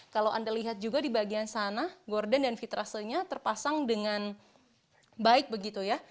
kalau anda lihat juga di bagian sana gordon dan fitrasenya terpasang dengan baik begitu ya